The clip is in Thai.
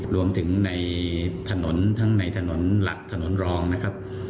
รวมถึงในถนนทั้งในถนนหลักถนนรองนะครับ